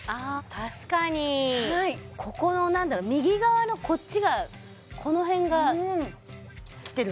確かにここの何だろ右側のこっちがこの辺がきてる？